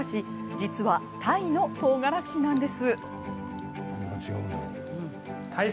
実はタイのとうがらしなんです。